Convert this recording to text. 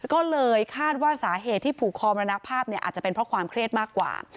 ก็เลยคาดว่าสาเหตุที่ผูกคอมรณภาพเนี่ยอาจจะเป็นเพราะความเครียดมากกว่า